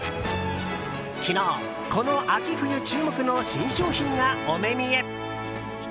昨日、この秋冬注目の新商品がお目見え！